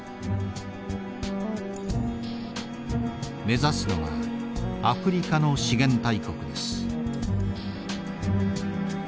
目指すのはアフリカの資源大国です。